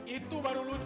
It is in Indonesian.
itu baru lucu ya toh